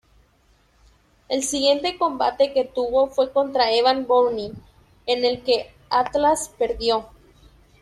El siguiente combate que tuvo fue contra Evan Bourne, en el que Atlas perdió.